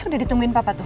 udah ditungguin papa tuh